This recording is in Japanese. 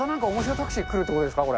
タクシー来るってことですか、これ。